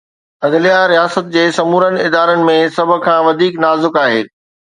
عدليه رياست جي سمورن ادارن ۾ سڀ کان وڌيڪ نازڪ آهي.